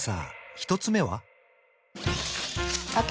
１つ目は？